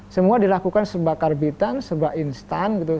semua dilakukan sebuah karbitan sebuah instan